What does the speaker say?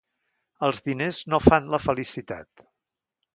Els diners no fan la felicitat.